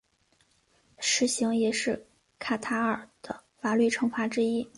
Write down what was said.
石刑也是卡塔尔的法律惩罚之一。